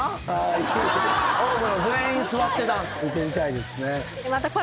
見てみたいですね。